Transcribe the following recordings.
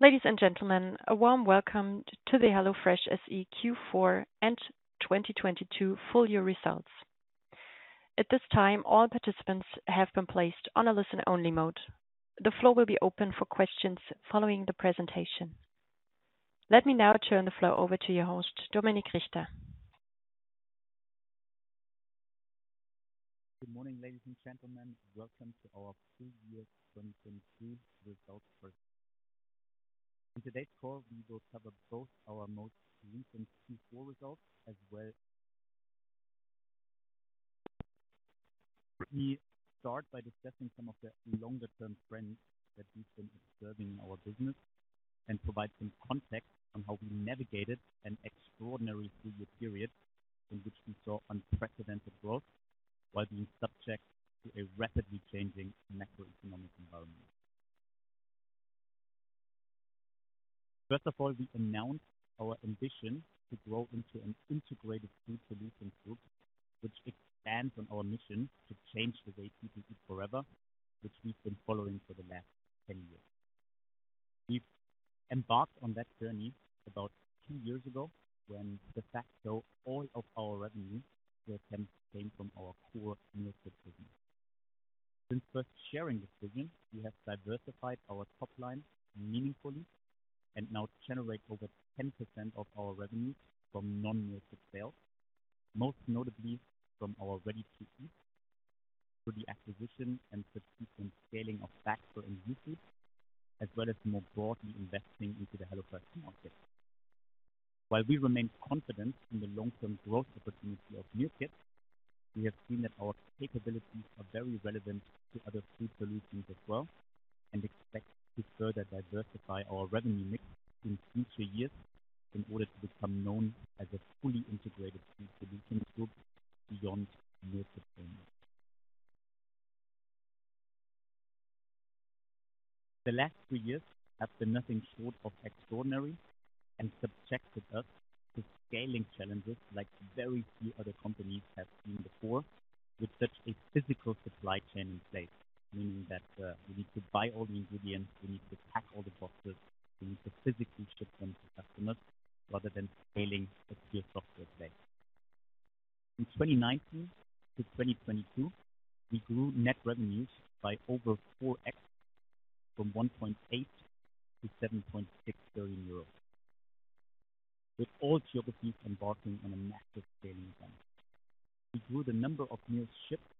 Ladies and gentlemen, a warm welcome to the HelloFresh SE Q4 and 2022 full year results. At this time, all participants have been placed on a listen-only mode. The floor will be open for questions following the presentation. Let me now turn the floor over to your host, Dominik Richter. Good morning, ladies and gentlemen. Welcome to our full year 2022 results presentation. In today's call, we will cover both our most recent Q4 results as well. We start by discussing some of the longer-term trends that we've been observing in our business and provide some context on how we navigated an extraordinary 3-year period in which we saw unprecedented growth while being subject to a rapidly changing macroeconomic environment. First of all, we announced our ambition to grow into an integrated food solutions group, which expands on our mission to change the way people eat forever, which we've been following for the last 10 years. We've embarked on that journey about 2 years ago, when de facto all of our revenue then came from our core meal kit business. Since first sharing this vision, we have diversified our top line meaningfully and now generate over 10% of our revenue from non-meal kit sales, most notably from our ready-to-eat through the acquisition and subsequent scaling of Factor and Youfoodz, as well as more broadly investing into the HelloFresh Market. While we remain confident in the long-term growth opportunity of meal kits, we have seen that our capabilities are very relevant to other food solutions as well, and expect to further diversify our revenue mix in future years in order to become known as a fully integrated food solutions group beyond meal kit business. The last three years have been nothing short of extraordinary and subjected us to scaling challenges like very few other companies have seen before with such a physical supply chain in place, meaning that we need to buy all the ingredients, we need to pack all the boxes, we need to physically ship them to customers rather than scaling a pure software play. From 2019 to 2022, we grew net revenues by over 4x from 1.8 billion-7.6 billion euros. With all geographies embarking on a massive scaling plan. We grew the number of meals shipped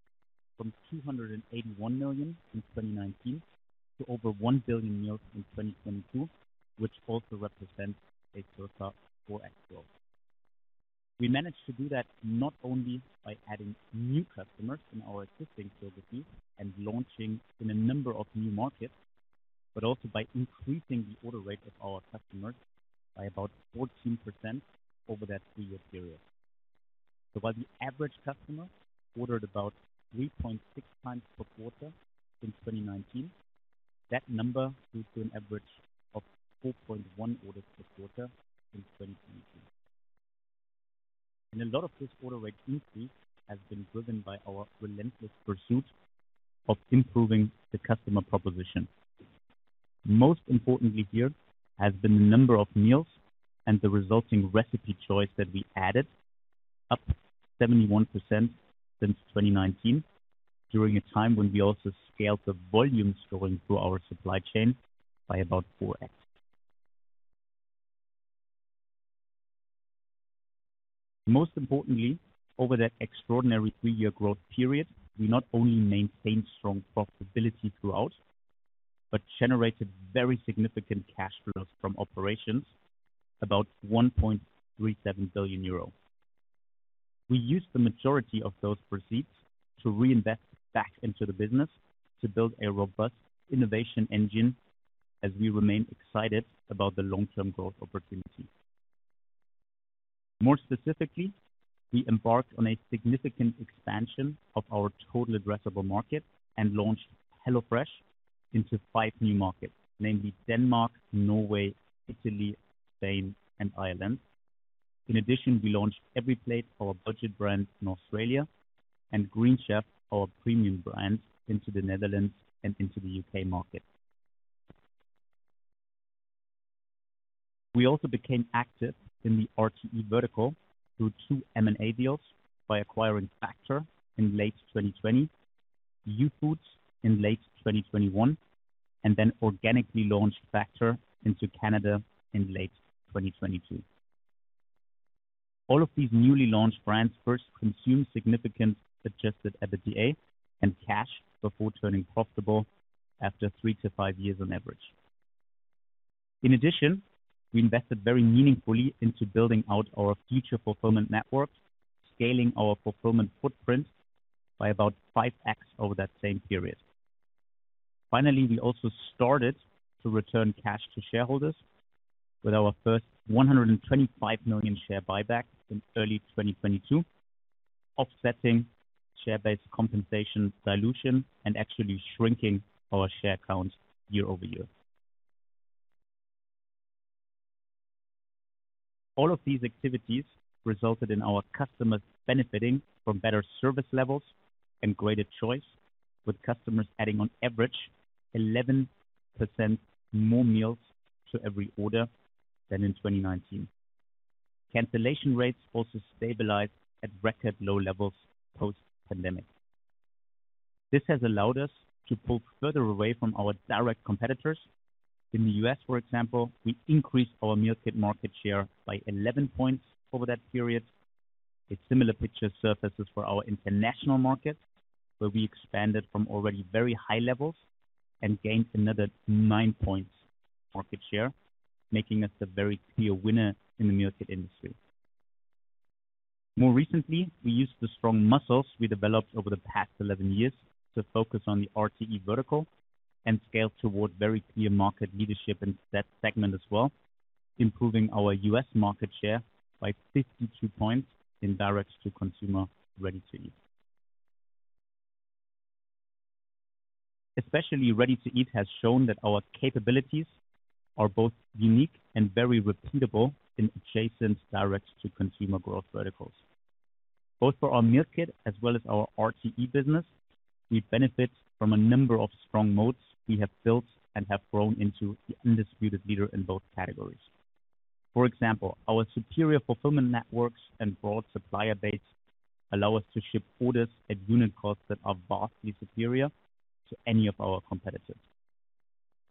from 281 million in 2019 to over 1 billion meals in 2022, which also represents a circa 4x growth. We managed to do that not only by adding new customers in our existing geographies and launching in a number of new markets, but also by increasing the order rate of our customers by about 14% over that 3-year period. While the average customer ordered about 3.6 times per quarter in 2019, that number grew to an average of 4.1 orders per quarter in 2022. A lot of this order rate increase has been driven by our relentless pursuit of improving the customer proposition. Most importantly here has been the number of meals and the resulting recipe choice that we added, up 71% since 2019, during a time when we also scaled the volumes going through our supply chain by about 4x. Most importantly, over that extraordinary three-year growth period, we not only maintained strong profitability throughout, but generated very significant cash flows from operations, about 1.37 billion euro. We used the majority of those proceeds to reinvest back into the business to build a robust innovation engine as we remain excited about the long-term growth opportunity. More specifically, we embarked on a significant expansion of our total addressable market and launched HelloFresh into five new markets, namely Denmark, Norway, Italy, Spain and Ireland. In addition, we launched EveryPlate, our budget brand in Australia, and Green Chef, our premium brand, into the Netherlands and into the U.K. market. We also became active in the RTE vertical through two M&A deals by acquiring Factor in late 2020, Youfoodz in late 2021, and then organically launched Factor into Canada in late 2022. All of these newly launched brands first consume significant adjusted EBITDA and cash before turning profitable after 3 to 5 years on average. In addition, we invested very meaningfully into building out our future fulfillment networks, scaling our fulfillment footprint by about 5x over that same period. Finally, we also started to return cash to shareholders with our first 125 million share buyback in early 2022, offsetting share-based compensation dilution and actually shrinking our share count year-over-year. All of these activities resulted in our customers benefiting from better service levels and greater choice, with customers adding on average 11% more meals to every order than in 2019. Cancellation rates also stabilized at record low levels post-pandemic. This has allowed us to pull further away from our direct competitors. In the U.S., for example, we increased our meal kit market share by 11 points over that period. A similar picture surfaces for our international markets, where we expanded from already very high levels and gained another 9 points market share, making us a very clear winner in the meal kit industry. More recently, we used the strong muscles we developed over the past 11 years to focus on the RTE vertical and scale toward very clear market leadership in that segment as well, improving our U.S. market share by 52 points in direct-to-consumer ready-to-eat. Especially ready-to-eat has shown that our capabilities are both unique and very repeatable in adjacent direct-to-consumer growth verticals. Both for our meal kit as well as our RTE business, we benefit from a number of strong modes we have built and have grown into the undisputed leader in both categories. For example, our superior fulfillment networks and broad supplier base allow us to ship orders at unit costs that are vastly superior to any of our competitors.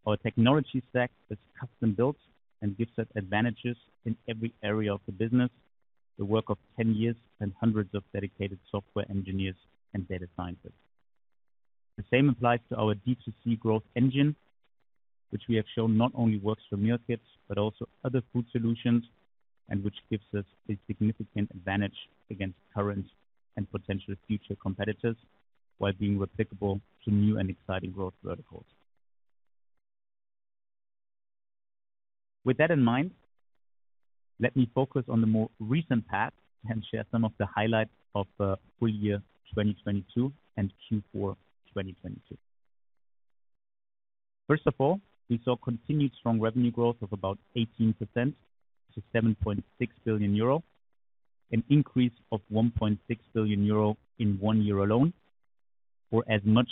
Our technology stack is custom built and gives us advantages in every area of the business, the work of 10 years and hundreds of dedicated software engineers and data scientists. The same applies to our D2C growth engine, which we have shown not only works for meal kits, but also other food solutions, and which gives us a significant advantage against current and potential future competitors while being replicable to new and exciting growth verticals. With that in mind, let me focus on the more recent past and share some of the highlights of full year 2022 and Q4 2022. First of all, we saw continued strong revenue growth of about 18% to 7.6 billion euro, an increase of 1.6 billion euro in 1 year alone, or as much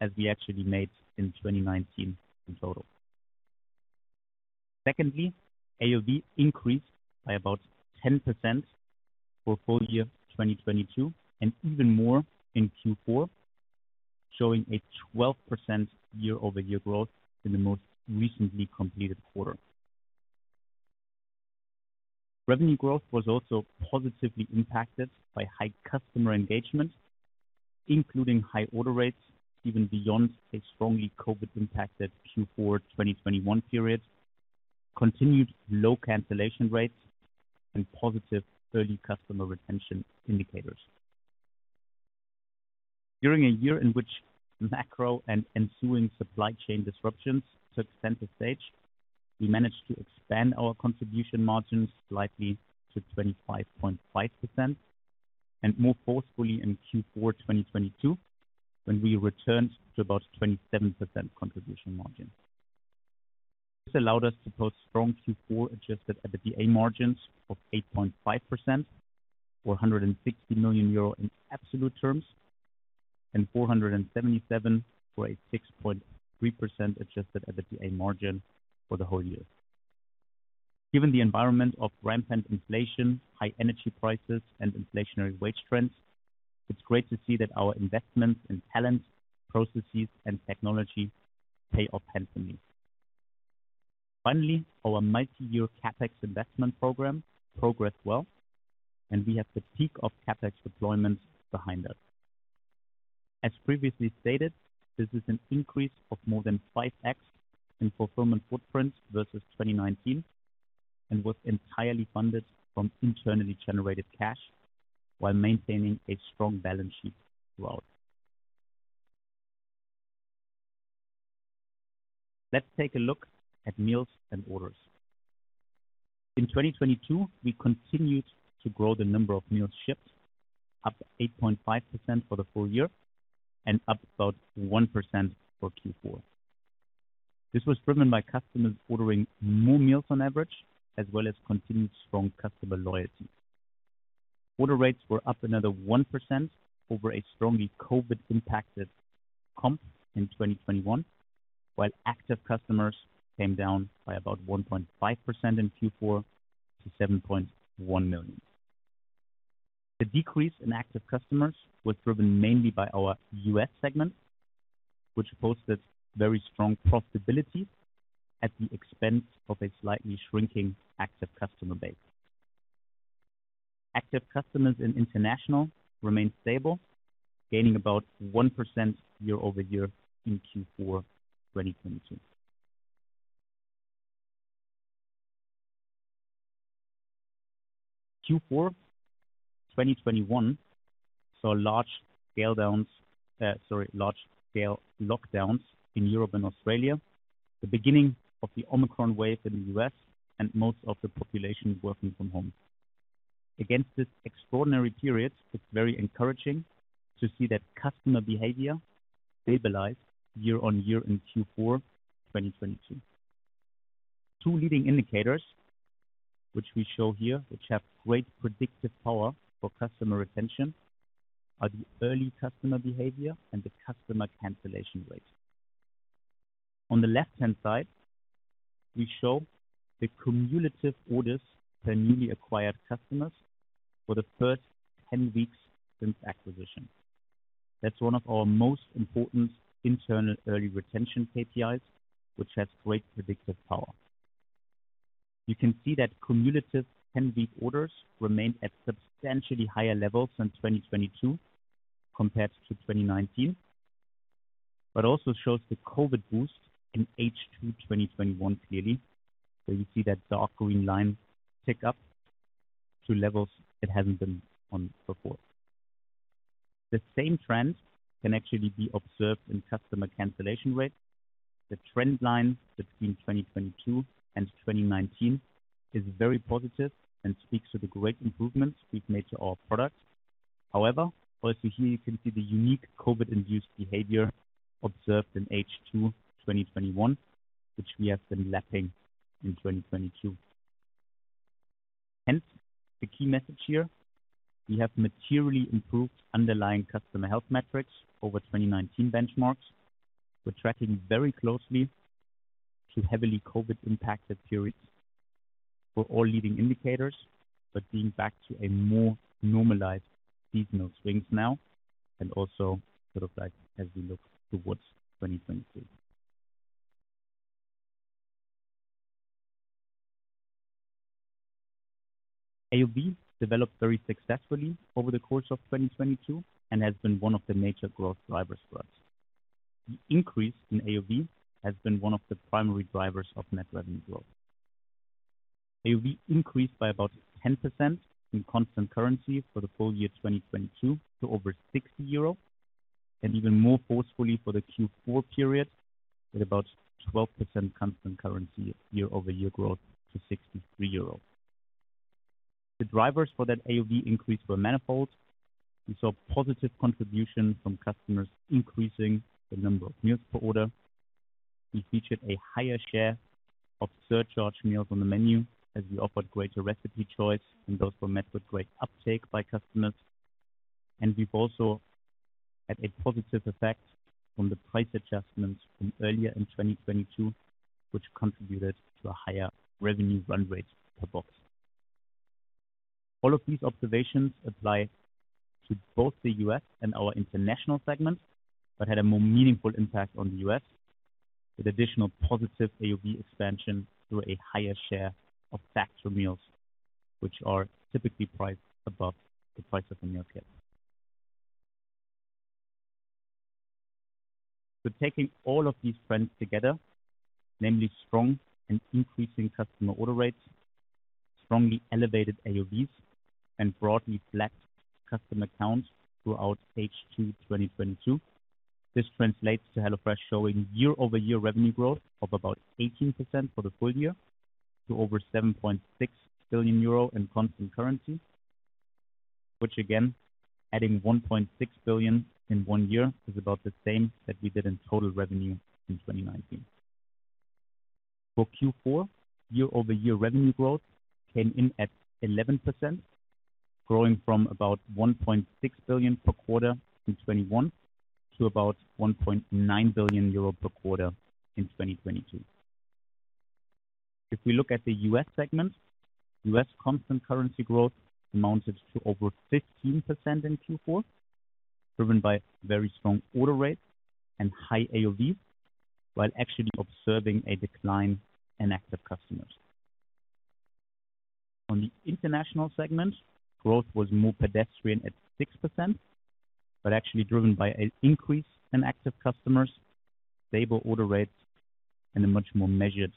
as we actually made in 2019 in total. AOV increased by about 10% for full year 2022 and even more in Q4, showing a 12% year-over-year growth in the most recently completed quarter. Revenue growth was also positively impacted by high customer engagement, including high order rates even beyond a strongly COVID-impacted Q4 2021 period, continued low cancellation rates, and positive early customer retention indicators. During a year in which macro and ensuing supply chain disruptions took center stage, we managed to expand our contribution margins slightly to 25.5% and more forcefully in Q4 2022, when we returned to about 27% contribution margin. This allowed us to post strong Q4 adjusted EBITDA margins of 8.5% or 160 million euro in absolute terms, and 477 for a 6.3% adjusted EBITDA margin for the whole year. Given the environment of rampant inflation, high energy prices, and inflationary wage trends, it's great to see that our investments in talent, processes, and technology pay off handsomely. Finally, our multi-year CapEx investment program progressed well, and we have the peak of CapEx deployment behind us. As previously stated, this is an increase of more than 5x in fulfillment footprint versus 2019 and was entirely funded from internally generated cash while maintaining a strong balance sheet throughout. Let's take a look at meals and orders. In 2022, we continued to grow the number of meals shipped, up 8.5% for the full year and up about 1% for Q4. This was driven by customers ordering more meals on average, as well as continued strong customer loyalty. Order rates were up another 1% over a strongly COVID-impacted comp in 2021, while active customers came down by about 1.5% in Q4 to 7.1 million. The decrease in active customers was driven mainly by our U.S. segment, which posted very strong profitability at the expense of a slightly shrinking active customer base. Active customers in international remained stable, gaining about 1% year-over-year in Q4 2022. Q4 2021 saw large scale lockdowns in Europe and Australia, the beginning of the Omicron wave in the U.S. and most of the population working from home. This extraordinary period, it's very encouraging to see that customer behavior stabilized year-on-year in Q4 2022. Two leading indicators which we show here, which have great predictive power for customer retention, are the early customer behavior and the customer cancellation rate. On the left-hand side, we show the cumulative orders by newly acquired customers for the first 10 weeks since acquisition. That's one of our most important internal early retention KPIs, which has great predictive power. You can see that cumulative 10-week orders remained at substantially higher levels in 2022 compared to 2019, but also shows the COVID boost in H2 2021 clearly, where you see that dark green line tick up to levels it hasn't been on before. The same trend can actually be observed in customer cancellation rate. The trend line between 2022 and 2019 is very positive and speaks to the great improvements we've made to our product. Also here you can see the unique COVID-induced behavior observed in H2 2021, which we have been lapping in 2022. The key message here, we have materially improved underlying customer health metrics over 2019 benchmarks. We're tracking very closely to heavily COVID-impacted periods for all leading indicators, but being back to a more normalized seasonal swings now and also sort of like as we look towards 2022. AOV developed very successfully over the course of 2022 and has been one of the major growth drivers for us. The increase in AOV has been one of the primary drivers of net revenue growth. AOV increased by about 10% in constant currency for the full year 2022 to over 60 euro and even more forcefully for the Q4 period at about 12% constant currency year-over-year growth to 63 euros. The drivers for that AOV increase were manifold. We saw positive contribution from customers increasing the number of meals per order. We featured a higher share of surcharge meals on the menu as we offered greater recipe choice, and those were met with great uptake by customers. We've also had a positive effect from the price adjustments from earlier in 2022, which contributed to a higher revenue run rate per box. All of these observations apply to both the US and our international segment, but had a more meaningful impact on the U.S. with additional positive AOV expansion through a higher share of Factor meals, which are typically priced above the price of a meal kit. Taking all of these trends together, namely strong and increasing customer order rates, strongly elevated AOVs, and broadly flat customer counts throughout H2 2022. This translates to HelloFresh showing year-over-year revenue growth of about 18% for the full year to over 7.6 billion euro in constant currency, which again, adding 1.6 billion in one year is about the same that we did in total revenue in 2019. For Q4, year-over-year revenue growth came in at 11%, growing from about 1.6 billion per quarter in 2021 to about 1.9 billion euro per quarter in 2022. If we look at the U.S. segment, U.S. constant currency growth amounted to over 15% in Q4, driven by very strong order rates and high AOVs, while actually observing a decline in active customers. On the international segment, growth was more pedestrian at 6%, but actually driven by an increase in active customers, stable order rates, and a much more measured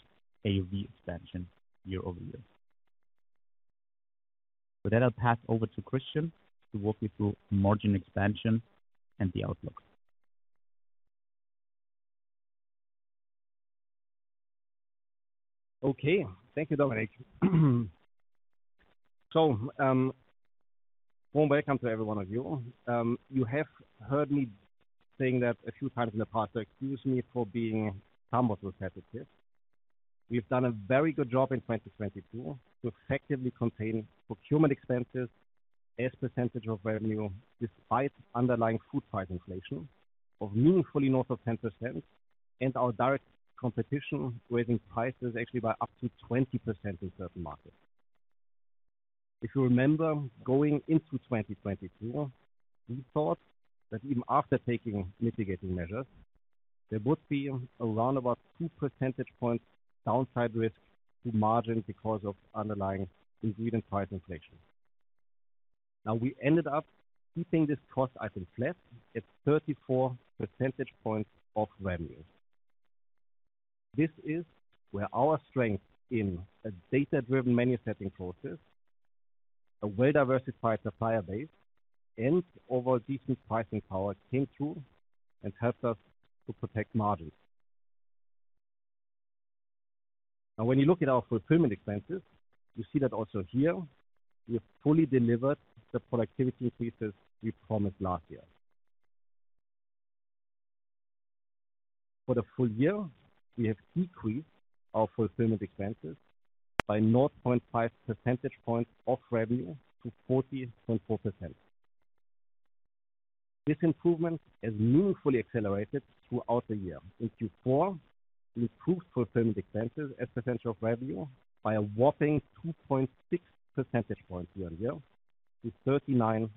AOV expansion year-over-year. With that, I'll pass over to Christian to walk you through margin expansion and the outlook. Okay. Thank you, Dominik. Warm welcome to every one of you. You have heard me saying that a few times in the past, excuse me for being somewhat repetitive. We've done a very good job in 2022 to effectively contain procurement expenses as percentage of revenue, despite underlying food price inflation of meaningfully north of 10% and our direct competition raising prices actually by up to 20% in certain markets. If you remember, going into 2022, we thought that even after taking mitigating measures, there would be around about 2 percentage points downside risk to margin because of underlying ingredient price inflation. We ended up keeping this cost item flat at 34 percentage points of revenue. This is where our strength in a data-driven menu setting process, a well-diversified supplier base, and overall decent pricing power came through and helped us to protect margins. When you look at our fulfillment expenses, you see that also here we have fully delivered the productivity increases we promised last year. For the full year, we have decreased our fulfillment expenses by 0.5 percentage points of revenue to 40.4%. This improvement has meaningfully accelerated throughout the year. In Q4, we improved fulfillment expenses as a percentage of revenue by a whopping 2.6 percentage points year-on-year to 39.1%.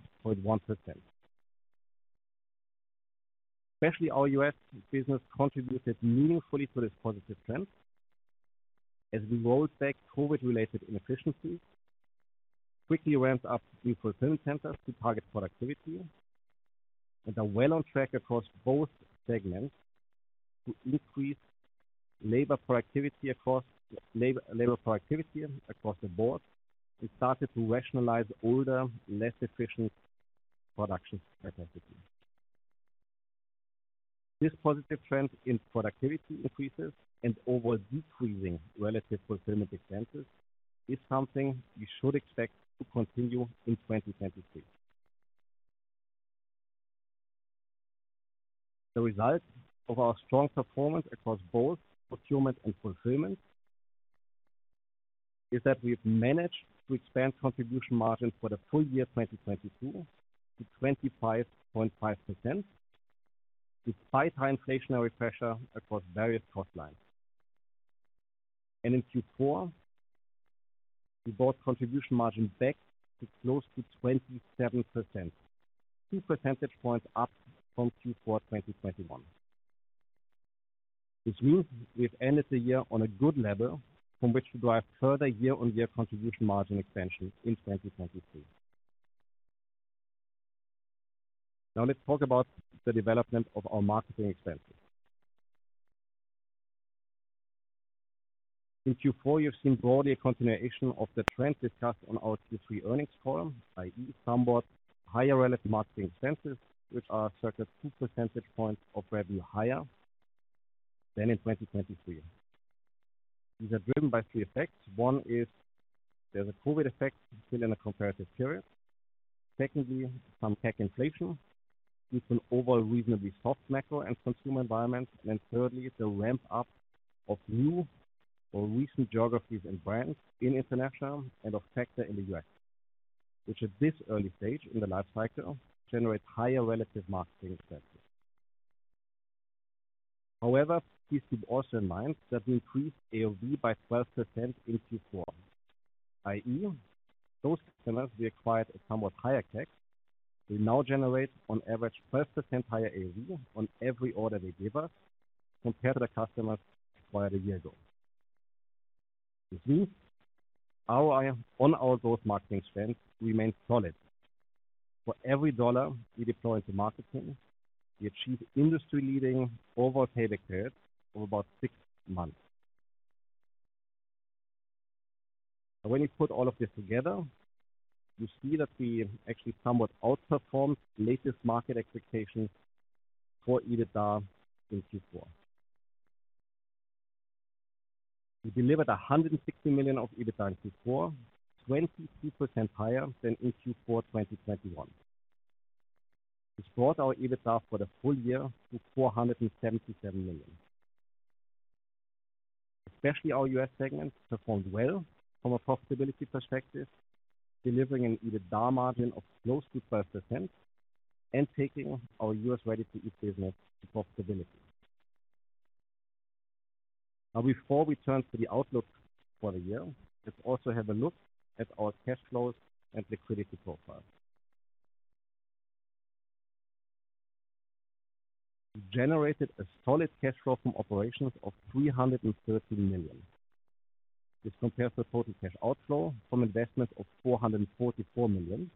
Especially our U.S. business contributed meaningfully to this positive trend as we rolled back COVID-related inefficiencies, quickly ramped up new fulfillment centers to target productivity, and are well on track across both segments to increase labor productivity across the board. We started to rationalize older, less efficient production capacity. This positive trend in productivity increases and overall decreasing relative fulfillment expenses is something we should expect to continue in 2023. The result of our strong performance across both procurement and fulfillment is that we've managed to expand contribution margin for the full year 2022 to 25.5% despite high inflationary pressure across various cost lines. In Q4, we brought contribution margin back to close to 27%, 2 percentage points up from Q4 2021, which means we've ended the year on a good level from which to drive further year-on-year contribution margin expansion in 2023. Let's talk about the development of our marketing expenses. In Q4, you've seen broadly a continuation of the trend discussed on our Q3 earnings call, i.e., somewhat higher relative marketing expenses, which are circa 2 percentage points of revenue higher than in 2023. These are driven by 3 effects. One is there's a COVID effect still in a comparative period. Secondly, some tech inflation due to an overall reasonably soft macro and consumer environment. Thirdly, the ramp-up of new or recent geographies and brands in international and of Factor in the U.S., which at this early stage in the life cycle, generate higher relative marketing expenses. However, please keep also in mind that we increased AOV by 12% in Q4, i.e., those customers we acquired at somewhat higher CAC, they now generate on average 12% higher AOV on every order they give us compared to the customers acquired a year ago. This means ROI on our growth marketing spend remains solid. For every dollar we deploy into marketing, we achieve industry-leading overall payback period of about 6 months. When you put all of this together, you see that we actually somewhat outperformed latest market expectations for EBITDA in Q4. We delivered 160 million of EBITDA in Q4, 22% higher than in Q4 2021, which brought our EBITDA for the full year to 477 million. Especially our U.S. segment performed well from a profitability perspective, delivering an EBITDA margin of close to 12% and taking our U.S. ready-to-eat business to profitability. Now before we turn to the outlook for the year, let's also have a look at our cash flows and liquidity profile. We generated a solid cash flow from operations of 313 million. This compares to total cash outflow from investment of 444 million.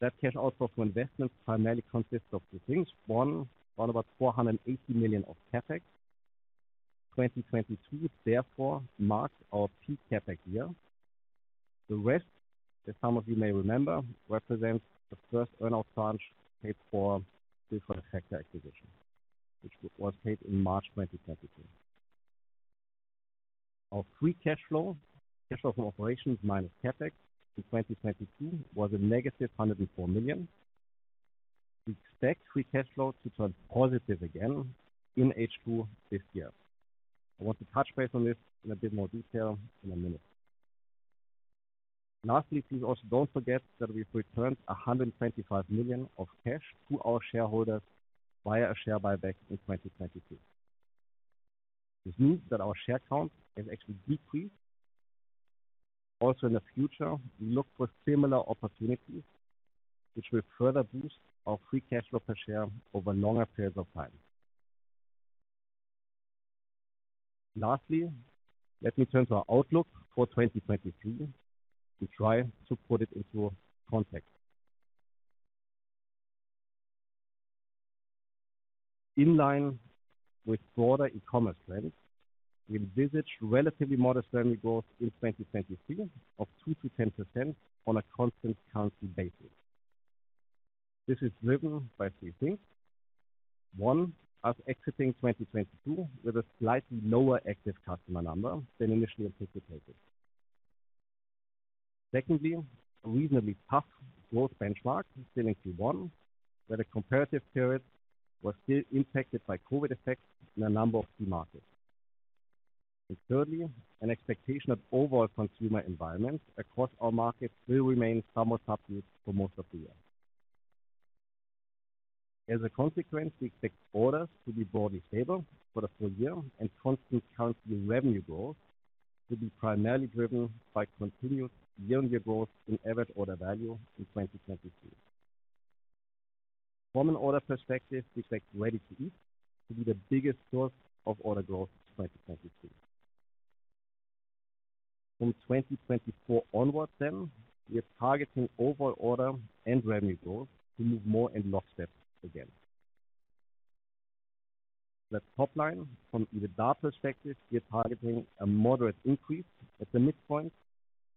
That cash outflow from investments primarily consists of two things. One, round about 480 million of CapEx. 2022, therefore, marked our peak CapEx year. The rest, as some of you may remember, represents the first earnout tranche paid for the Factor acquisition, which was paid in March 2022. Our free cash flow, cash flow from operations minus CapEx in 2022, was a negative 104 million. We expect free cash flow to turn positive again in H2 this year. I want to touch base on this in a bit more detail in a minute. Lastly, please also don't forget that we've returned 125 million of cash to our shareholders via a share buyback in 2022. This means that our share count has actually decreased. Also in the future, we look for similar opportunities which will further boost our free cash flow per share over longer periods of time. Lastly, let me turn to our outlook for 2023 to try to put it into context. In line with broader e-commerce trends, we envisage relatively modest revenue growth in 2023 of 2%-10% on a constant currency basis. This is driven by three things. One, us exiting 2022 with a slightly lower active customer number than initially anticipated. A reasonably tough growth benchmark still in Q1 where the comparative period was still impacted by COVID effects in a number of key markets. Thirdly, an expectation of overall consumer environment across our markets will remain somewhat subdued for most of the year. As a consequence, we expect orders to be broadly stable for the full year and constant currency revenue growth to be primarily driven by continued year-on-year growth in average order value in 2022. From an order perspective, we expect ready-to-eat to be the biggest source of order growth in 2022. From 2024 onwards then, we are targeting overall order and revenue growth to move more in lockstep again. That top line from EBITDA perspective, we are targeting a moderate increase at the midpoint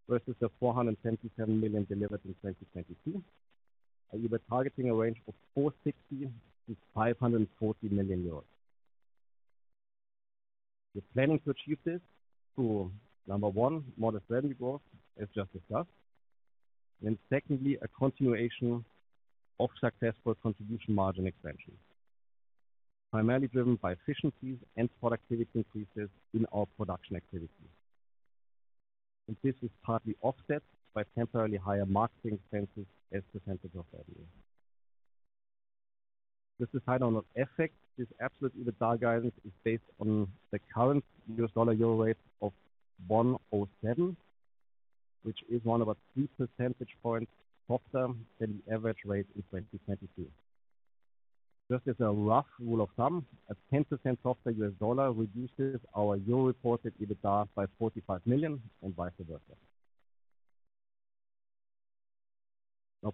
versus the 427 million delivered in 2022. We were targeting a range of 460 million-540 million euros. We're planning to achieve this through, number one, modest revenue growth, as just discussed. Secondly, a continuation of successful contribution margin expansion, primarily driven by efficiencies and productivity increases in our production activities. This is partly offset by temporarily higher marketing expenses as a percentage of revenue. This is high on effect, this absolute EBITDA guidance is based on the current U.S. dollar euro rate of 1.07, which is 1 of our 3 percentage points softer than the average rate in 2022. As a rough rule of thumb, a 10% softer U.S. dollar reduces our euro-reported EBITDA by 45 million and vice versa.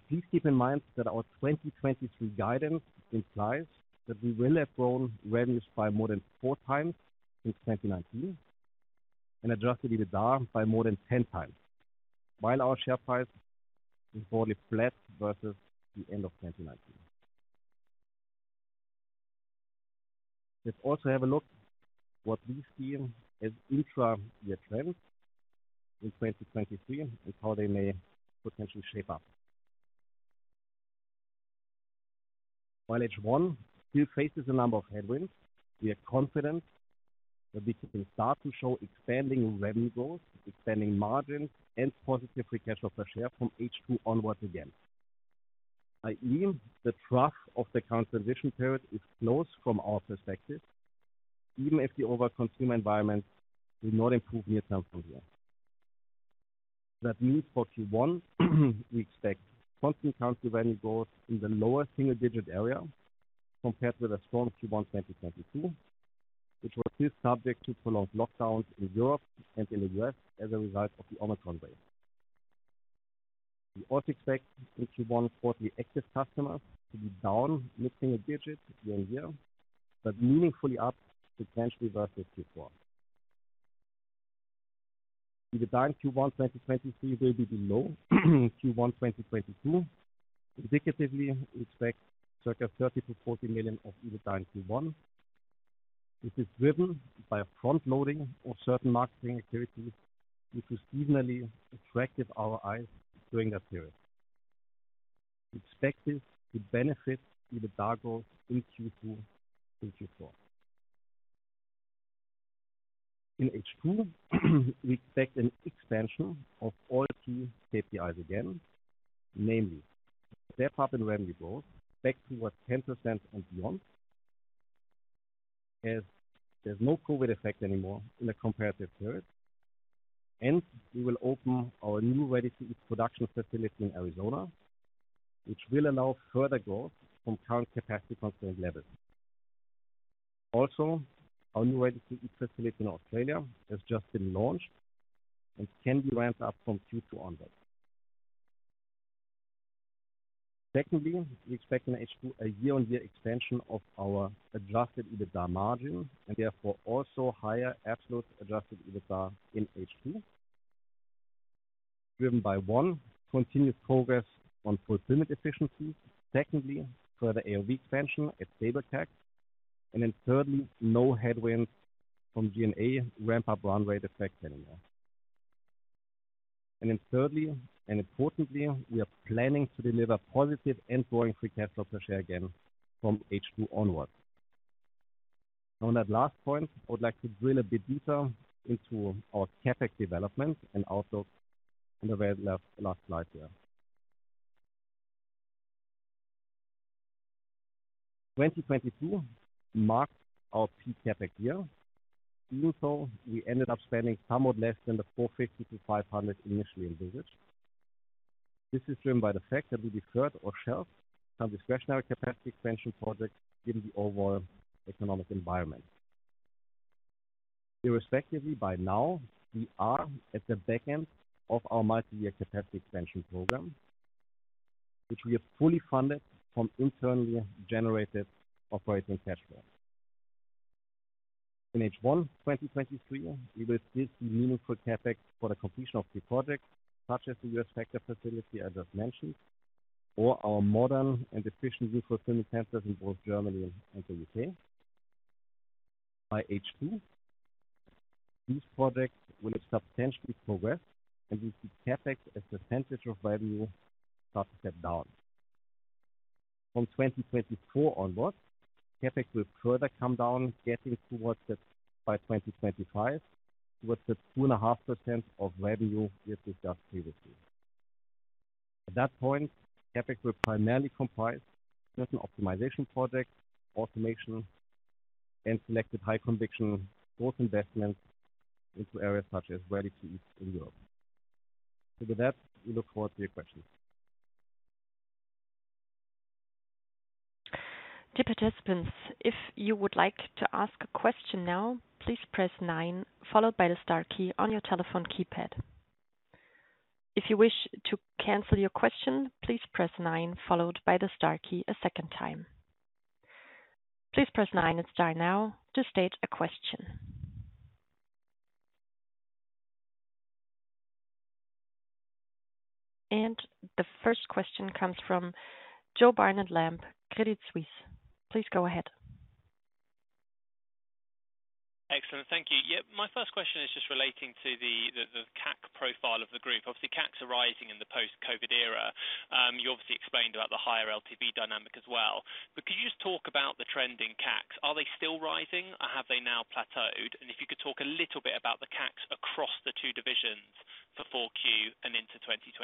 Please keep in mind that our 2023 guidance implies that we will have grown revenues by more than 4 times since 2019 and adjusted EBITDA by more than 10 times, while our share price is broadly flat versus the end of 2019. Let's also have a look what we see as intra-year trends in 2023 and how they may potentially shape up. While H1 still faces a number of headwinds, we are confident that this will start to show expanding revenue growth, expanding margins, and positive free cash flow per share from H2 onwards again. I believe the trough of the current transition period is close from our perspective, even if the overall consumer environment will not improve near term from here. That means for Q1, we expect constant currency revenue growth in the lower single-digit area compared with a strong Q1 2022, which was still subject to prolonged lockdowns in Europe and in the U.S. as a result of the Omicron wave. We also expect in Q1 quarterly active customers to be down mid-single digits year-on-year, but meaningfully up sequentially versus Q4. EBITDA in Q1 2023 will be below Q1 2022. Indicatively, we expect circa 30 million-40 million of EBITDA in Q1, which is driven by a front-loading of certain marketing activities, which was seasonally attractive our eyes during that period. We expect this to benefit EBITDA growth in Q2 and Q4. In H2, we expect an expansion of all key KPIs again, namely step up in revenue growth back towards 10% and beyond, as there's no COVID effect anymore in the comparative period. We will open our new ready-to-eat production facility in Arizona, which will allow further growth from current capacity constraint levels. Our new ready-to-eat facility in Australia has just been launched and can be ramped up from Q2 onwards. Secondly, we expect in H2 a year-on-year expansion of our adjusted EBITDA margin and therefore also higher absolute adjusted EBITDA in H2, driven by 1, continuous progress on fulfillment efficiency. Secondly, further AOV expansion at stable CAC. Thirdly, no headwinds from G&A ramp-up runway defect anymore. Thirdly and importantly, we are planning to deliver positive and growing free cash flow per share again from H2 onwards. On that last point, I would like to drill a bit deeper into our CapEx development and outlook in the very last slide there. 2022 marked our peak CapEx year. Even so, we ended up spending somewhat less than the 450-500 initially envisaged. This is driven by the fact that we deferred or shelved some discretionary capacity expansion projects given the overall economic environment. Irrespectively, by now, we are at the back end of our multi-year capacity expansion program, which we have fully funded from internally generated operating cash flow. In H1 2023, we will see meaningful CapEx for the completion of key projects such as the U.S. Factor facility I just mentioned, or our modern and efficient vehicle filling centers in both Germany and the U.K. By H2, these projects will have substantially progressed, and we see CapEx as a percentage of revenue start to step down. From 2024 onwards, CapEx will further come down, getting towards that by 2025, towards the 2.5% of revenue we discussed previously. At that point, CapEx will primarily comprise certain optimization projects, automation, and selected high conviction growth investments into areas such as ready-to-eats in Europe. With that, we look forward to your questions. Dear participants, if you would like to ask a question now, please press 9 followed by the star key on your telephone keypad. If you wish to cancel your question, please press 9 followed by the star key a second time. Please press 9 and star now to state a question. The first question comes from Joseph Barnet-Lamb, Credit Suisse. Please go ahead. Excellent. Thank you. Yeah, my first question is just relating to the CAC profile of the group. Obviously, CACs are rising in the post-COVID era. You obviously explained about the higher LTV dynamic as well. Could you just talk about the trending CACs? Are they still rising or have they now plateaued? If you could talk a little bit about the CACs across the 2 divisions for 4 Q and into 2023.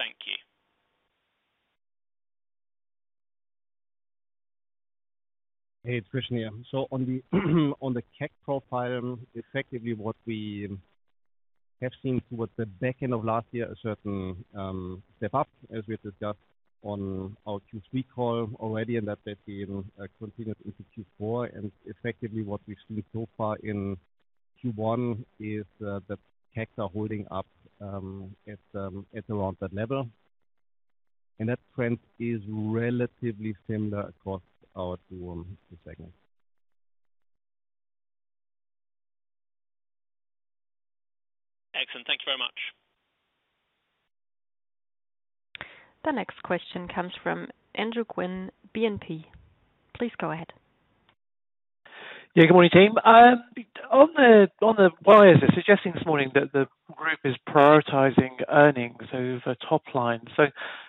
Thank you. Hey, it's Christian here. On the CAC profile, effectively what we have seen towards the back end of last year, a certain step up, as we discussed on our Q3 call already, that had been continued into Q4. Effectively what we've seen so far in Q1 is the CAC are holding up at around that level. That trend is relatively similar across our two segments. Excellent. Thank you very much. The next question comes from Andrew Quinn, BNP. Please go ahead. Yeah, good morning, team. On the, on the wires, they're suggesting this morning that the group is prioritizing earnings over top line.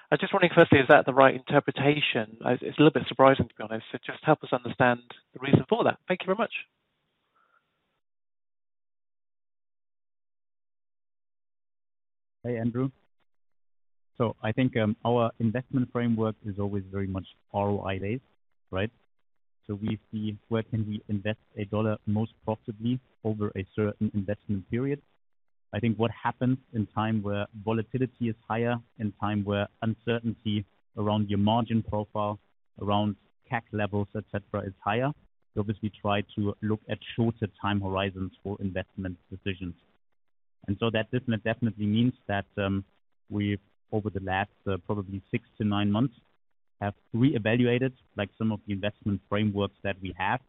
I was just wondering, firstly, is that the right interpretation? It's a little bit surprising, to be honest. Just help us understand the reason for that. Thank you very much. Hey, Andrew. I think our investment framework is always very much ROI-based, right? We see where can we invest a dollar most profitably over a certain investment period. I think what happens in time where volatility is higher, in time where uncertainty around your margin profile, around CAC levels, et cetera, is higher, we obviously try to look at shorter time horizons for investment decisions. That definitely means that we've, over the last probably six to nine months, have reevaluated like some of the investment frameworks that we have.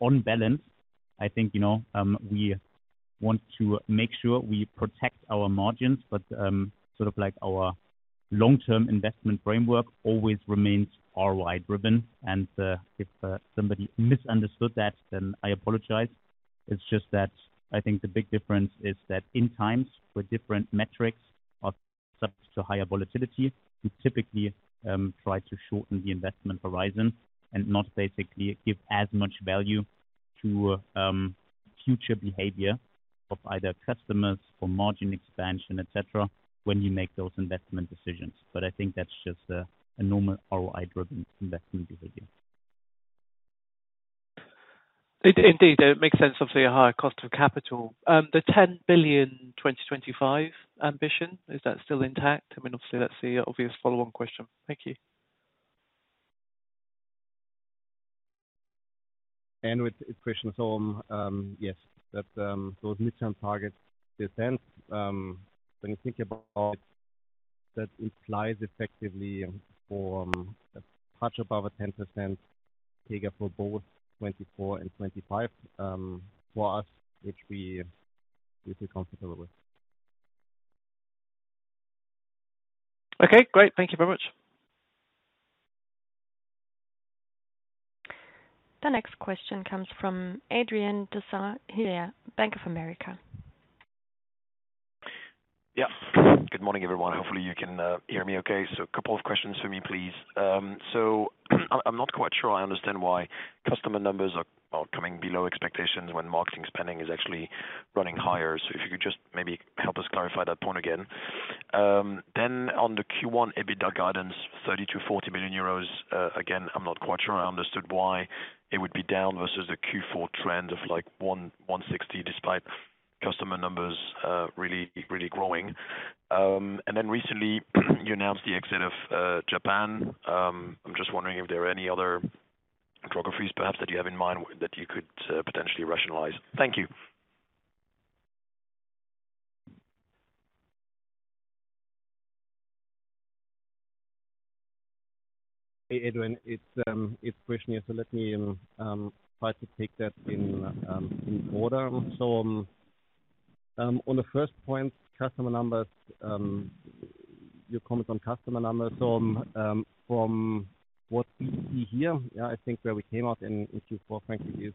On balance, I think, you know, we want to make sure we protect our margins, but sort of like our long-term investment framework always remains ROI-driven. If somebody misunderstood that, then I apologize. It's just that I think the big difference is that in times where different metrics are subject to higher volatility, we typically try to shorten the investment horizon and not basically give as much value to future behavior of either customers for margin expansion, et cetera, when you make those investment decisions. I think that's just a normal ROI-driven investment behavior. Indeed, it makes sense, obviously, a higher cost of capital. The 10 billion 2025 ambition, is that still intact? I mean, obviously that's the obvious follow-on question. Thank you. With Christian, yes, that, those midterm targets they stand. When you think about that implies effectively for much above a 10% figure for both 2024 and 2025, for us, which we feel comfortable with. Okay, great. Thank you very much. The next question comes from Adrien de Saint Hilaire, Bank of America. Yeah. Good morning, everyone. Hopefully, you can hear me okay. A couple of questions for me, please. I'm not quite sure I understand why customer numbers are, well, coming below expectations when marketing spending is actually running higher. If you could just maybe help us clarify that point again. On the Q1 EBITDA guidance, 30 million-40 million euros, again, I'm not quite sure I understood why it would be down versus the Q4 trend of like 160 million despite customer numbers really growing. Recently you announced the exit of Japan. I'm just wondering if there are any other geographies perhaps that you have in mind that you could potentially rationalize. Thank you. Hey, Adrien, it's Christian here. Let me try to take that in order. On the first point, customer numbers, your comments on customer numbers. From what we see here, yeah, I think where we came out in Q4, frankly, is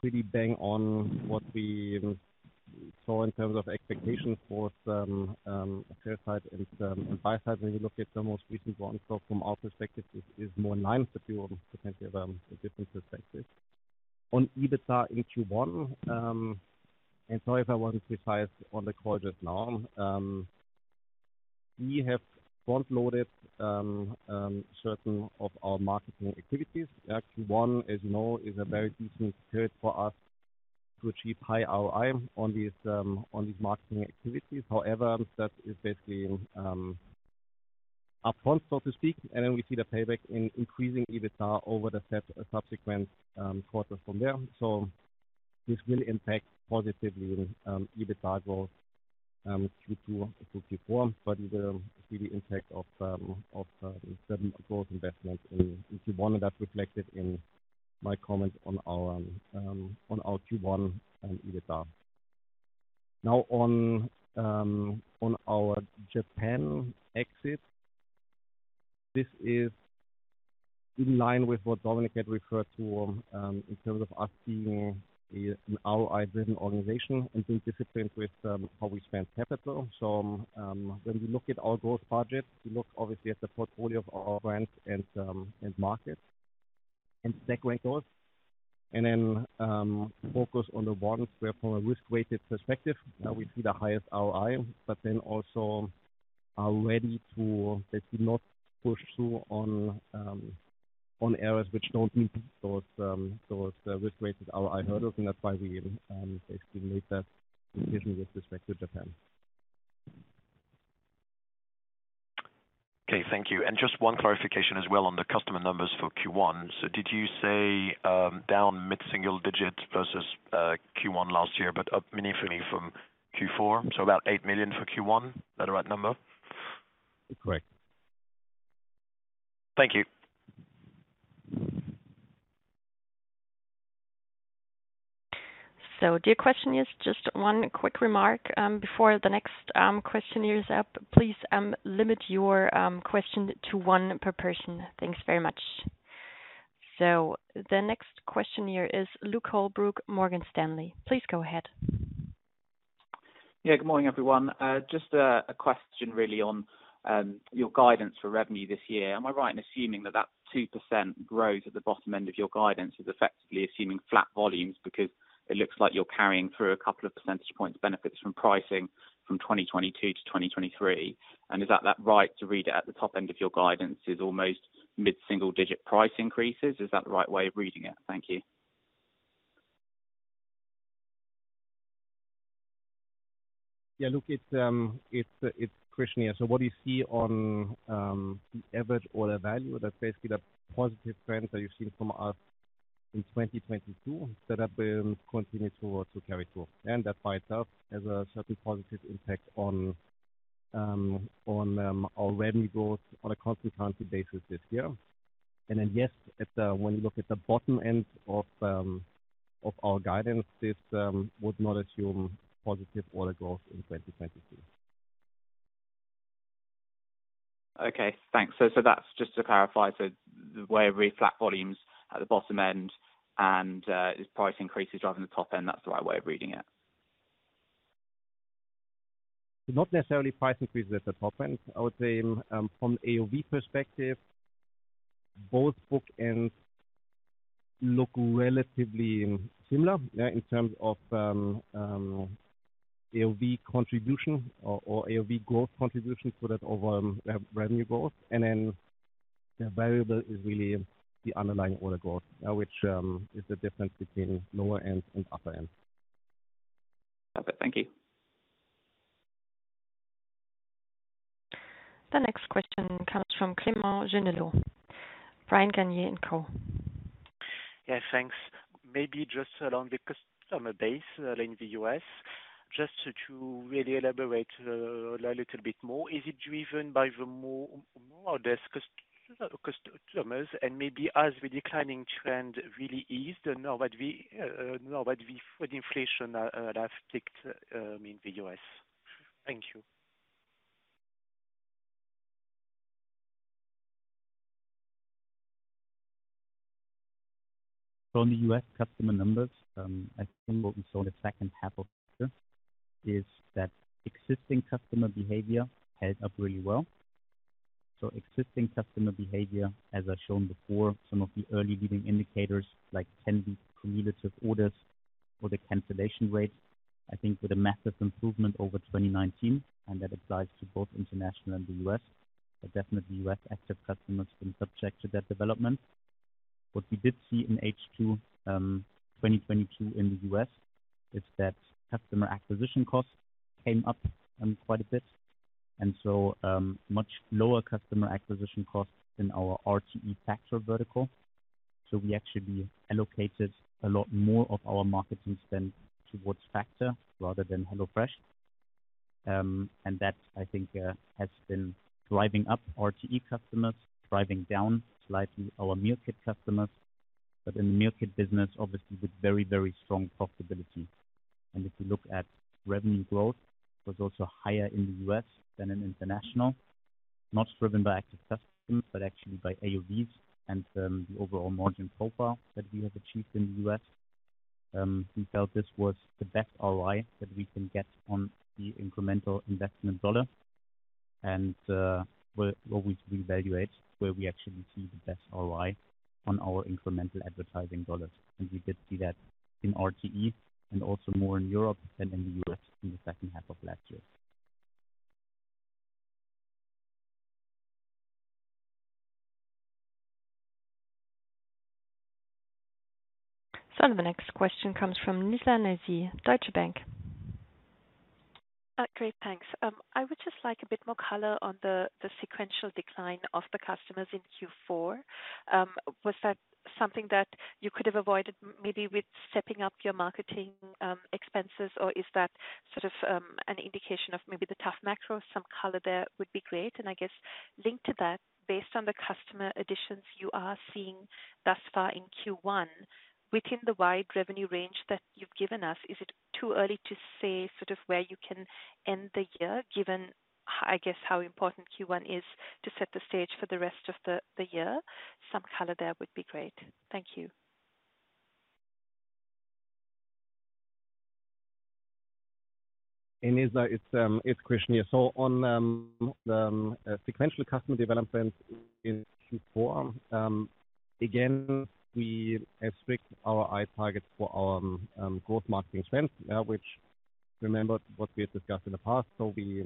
pretty bang on what we saw in terms of expectations for some share side and buy side when you look at the most recent one. From our perspective, it is more in line, but you potentially have a different perspective. On EBITDA in Q1, and sorry if I wasn't precise on the call just now, we have front-loaded certain of our marketing activities. Q1, as you know, is a very decent period for us to achieve high ROI on these marketing activities. However, that is basically upfront, so to speak, and then we see the payback in increasing EBITDA over the set subsequent quarters from there. This will impact positively EBITDA goals Q2 through Q4, but it will see the impact of certain growth investments in Q1, and that's reflected in my comment on our Q1 and EBITDA. Now on our Japan exit, this is in line with what Dominik had referred to in terms of us being an ROI-driven organization and being disciplined with how we spend capital. When we look at our growth budget, we look obviously at the portfolio of our brands and markets and segment goals, and then focus on the ones where from a risk-weighted perspective, we see the highest ROI, but then also are ready to basically not push through on areas which don't meet those risk-weighted ROI hurdles, and that's why we basically made that decision with respect to Japan. Okay. Thank you. Just 1 clarification as well on the customer numbers for Q1. Did you say, down mid-single digit versus Q1 last year, but up meaningfully from Q4? About 8 million for Q1. Is that the right number? Correct. Thank you. Dear questioners, just 1 quick remark before the next questioner is up. Please limit your question to 1 per person. Thanks very much. The next questioner is Luke Holbrook, Morgan Stanley. Please go ahead. Yeah. Good morning, everyone. Just a question really on your guidance for revenue this year. Am I right in assuming that that 2% growth at the bottom end of your guidance is effectively assuming flat volumes because it looks like you're carrying through a couple of percentage points benefits from pricing from 2022 to 2023. Is that right to read it at the top end of your guidance is almost mid-single digit price increases? Is that the right way of reading it? Thank you. Look, it's Christian here. What you see on the average order value, that's basically the positive trend that you've seen from us in 2022, that will continue towards to carry through. That by itself has a certain positive impact on our revenue growth on a constant currency basis this year. Yes, when you look at the bottom end of our guidance, this would not assume positive order growth in 2022. Okay, thanks. That's just to clarify. The way I read flat volumes at the bottom end and is price increases driving the top end, that's the right way of reading it? Not necessarily price increases at the top end. I would say, from the AOV perspective, both bookends look relatively similar, yeah, in terms of AOV contribution or AOV growth contribution to that of revenue growth. Then the variable is really the underlying order growth, which is the difference between lower end and upper end. Got it. Thank you. The next question comes from Clément Genelot, Bryan, Garnier & Co. Yeah, thanks. Maybe just along the customer base, in the US, just to really elaborate a little bit more. Is it driven by the more or less customers? Maybe has the declining trend really eased now that we with inflation have ticked in the US? Thank you. From the U.S. customer numbers, I think what we saw in the H2 of this is that existing customer behavior held up really well. Existing customer behavior, as I've shown before, some of the early leading indicators like 10-week cumulative orders or the cancellation rate, I think with a massive improvement over 2019, and that applies to both international and the U.S. Definitely U.S. active customers have been subject to that development. What we did see in H2 2022 in the U.S. is that customer acquisition costs came up quite a bit. Much lower customer acquisition costs in our RTE Factor vertical. We actually allocated a lot more of our marketing spend towards Factor rather than HelloFresh. I think has been driving up RTE customers, driving down slightly our meal kit customers. In the meal kit business, obviously, with very, very strong profitability. If you look at revenue growth was also higher in the US than in international. Not driven by active customers, but actually by AOVs and the overall margin profile that we have achieved in the US. We felt this was the best ROI that we can get on the incremental investment dollar and where always we evaluate where we actually see the best ROI on our incremental advertising dollars. We did see that in RTE and also more in Europe than in the US in the H2 of last year. The next question comes from Nizla Naizer, Deutsche Bank. Great, thanks. I would just like a bit more color on the sequential decline of the customers in Q4. Was that something that you could have avoided maybe with stepping up your marketing expenses? Or is that sort of an indication of maybe the tough macro? Some color there would be great. I guess linked to that, based on the customer additions you are seeing thus far in Q1, within the wide revenue range that you've given us, is it too early to say sort of where you can end the year, given I guess how important Q1 is to set the stage for the rest of the year? Some color there would be great. Thank you. Hey, Nizla. It's Christian here. On the sequential customer development in Q4, again, we have strict ROI targets for our growth marketing spend, which remember what we had discussed in the past. We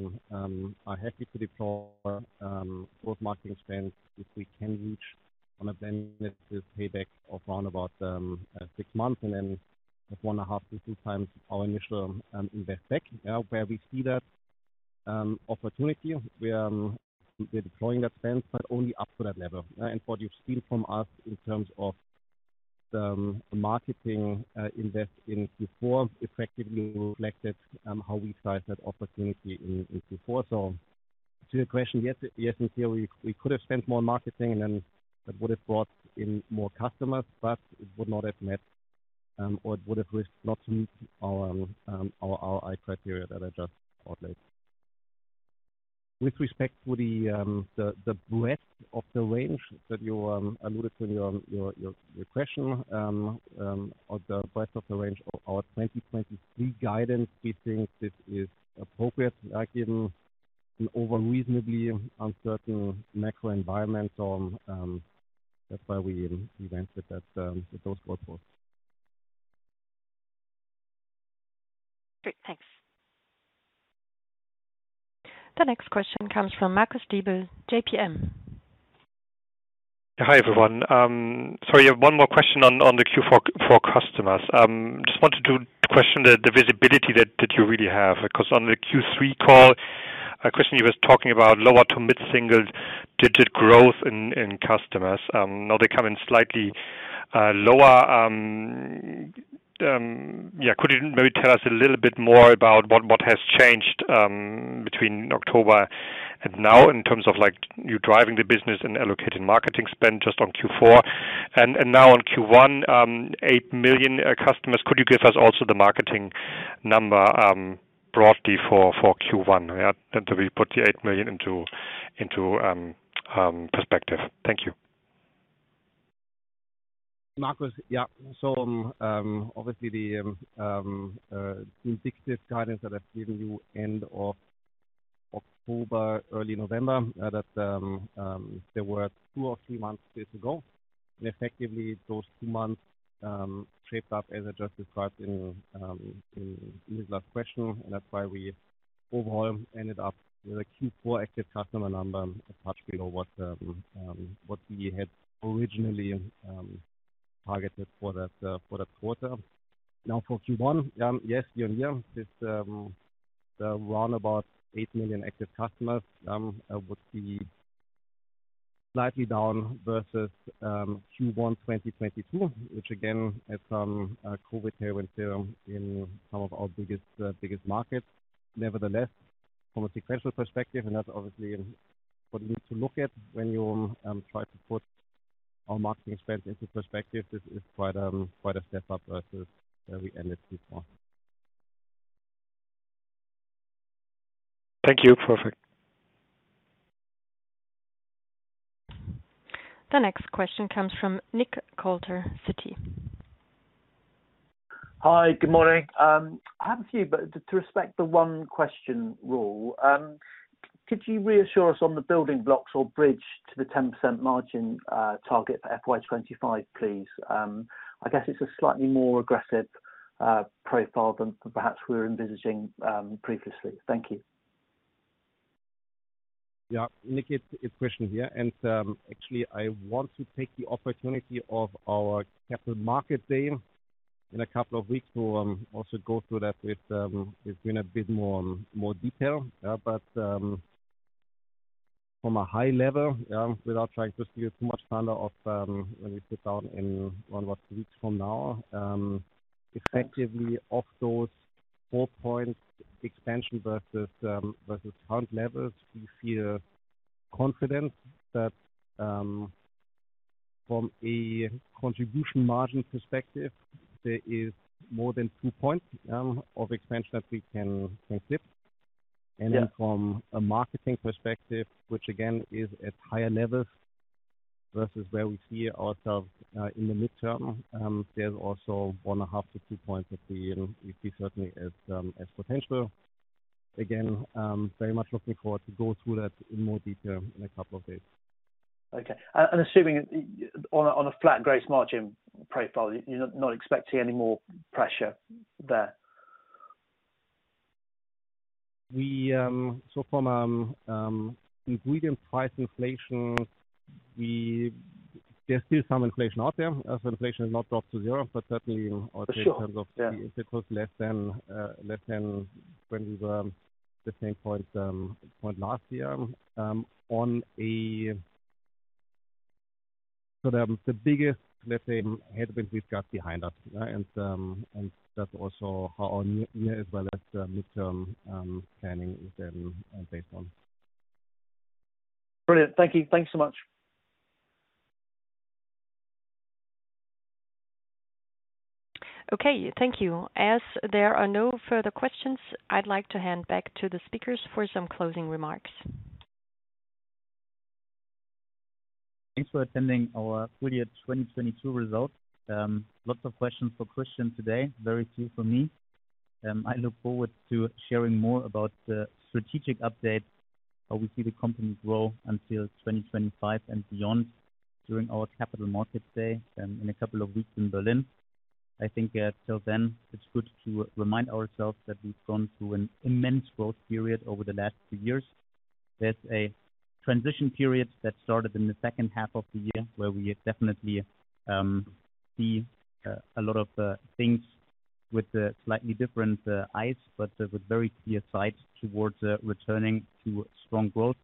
are happy to deploy growth marketing spend if we can reach on a 10-year payback of around about 6 months and then one and a half to 2 times our initial invest back. Where we see that opportunity, we're deploying that spend, but only up to that level. What you've seen from us in terms of the marketing invest in Q4 effectively reflected how we size that opportunity in Q4. To your question, yes, in theory, we could have spent more in marketing and then that would have brought in more customers, but it would not have met, or it would have risked not to meet our ROI criteria that I just outlined. With respect to the breadth of the range that you alluded to in your question, or the breadth of the range of our 2023 guidance, we think this is appropriate, given an over reasonably uncertain macro environment. That's why we even mentioned that those reports. Great. Thanks. The next question comes from Marcus Diebel, JPM. Hi, everyone. I have one more question on the Q4 for customers. Just wanted to question the visibility that you really have. On the Q3 call, Christian, you was talking about lower to mid-single digit growth in customers. Now they come in slightly lower. Could you maybe tell us a little bit more about what has changed between October and now in terms of, like, you driving the business and allocating marketing spend just on Q4. Now on Q1, 8 million customers. Could you give us also the marketing number broadly for Q1? To really put the 8 million into perspective. Thank you. Marcus. Yeah. Obviously the indicative guidance that I've given you end of October, early November, that there were two or three months still to go. Effectively those two months shaped up as I just described in Nizla's question. That's why we overall ended up with a Q4 active customer number much below what we had originally targeted for that quarter. For Q1, yes, year-over-year, it's the round about eight million active customers would be slightly down versus Q1 2022, which again had some COVID tailwind there in some of our biggest markets. From a sequential perspective, and that's obviously what you need to look at when you try to put our marketing spend into perspective. This is quite a step up versus where we ended Q4. Thank you. Perfect. The next question comes from Nick Coulter, Citi. Hi. Good morning. I have a few, but to respect the 1 question rule, could you reassure us on the building blocks or bridge to the 10% margin target for FY 2025 please? I guess it's a slightly more aggressive profile than perhaps we were envisaging previously. Thank you. Yeah. Nick, it's Christian here. Actually, I want to take the opportunity of our capital market day in a couple of weeks to also go through that with you in a bit more detail. From a high level, yeah, without trying just to give too much color of when we sit down in 1 or 2 weeks from now, effectively off those 4 points expansion versus current levels, we feel confident that from a contribution margin perspective, there is more than 2 point of expansion that we can flip. From a marketing perspective, which again is at higher levels versus where we see ourselves in the midterm, there's also 1.5-2 points that we see certainly as potential. Very much looking forward to go through that in more detail in a couple of days. Okay. Assuming on a flat gross margin profile, you're not expecting any more pressure there? From ingredient price inflation, there's still some inflation out there. Inflation has not dropped to zero, but certainly... For sure, yeah. In terms of it was less than when we were the same point last year. The biggest, let's say, headwind we've got behind us, yeah, and that's also how our near as well as the midterm planning is then based on. Brilliant. Thank you. Thanks so much. Okay. Thank you. As there are no further questions, I'd like to hand back to the speakers for some closing remarks. Thanks for attending our full year 2022 results. Lots of questions for Christian today, very few for me. I look forward to sharing more about the strategic update, how we see the company grow until 2025 and beyond during our capital markets day, in a couple of weeks in Berlin. I think, till then, it's good to remind ourselves that we've gone through an immense growth period over the last few years. There's a transition period that started in the H2 of the year where we definitely see a lot of things with a slightly different eyes, but with very clear sight towards returning to strong growth,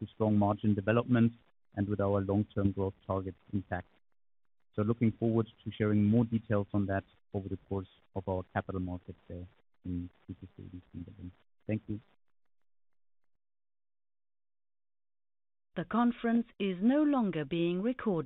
to strong margin development and with our long-term growth targets impact. Looking forward to sharing more details on that over the course of our capital markets day in 2 to 3 weeks in Berlin. Thank you.